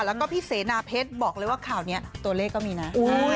แล้วก็พี่เสนาเพชรบอกเลยว่าข่าวนี้ตัวเลขก็มีนะ